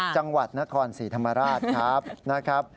จังหวัดนครศรีธรรมราชครับนะครับ